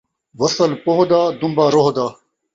وصّل پوہ دا ، دن٘بہ روہ دا